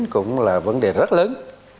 cũng là vấn đề rất lớn